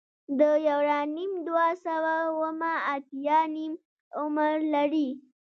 د یورانیم دوه سوه اوومه اتیا نیم عمر لري.